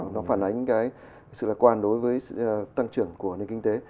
nó phản ánh sự lạc quan đối với tăng trưởng của nền kinh tế